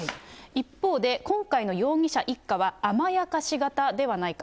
一方で、今回の容疑者一家は、甘やかし型ではないか。